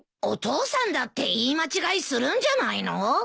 お父さんだって言い間違いするんじゃないの？